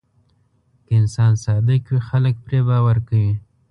که انسان صادق وي، خلک پرې باور کوي.